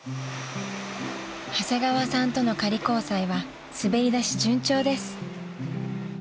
［長谷川さんとの仮交際は滑り出し順調です］